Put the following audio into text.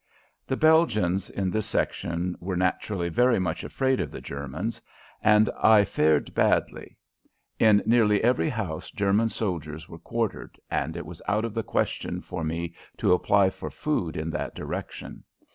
The Belgians in this section were naturally very much afraid of the Germans, and I fared badly. In nearly every house German soldiers were quartered, and it was out of the question for me to apply for food in that direction.